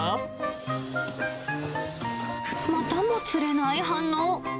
またもつれない反応。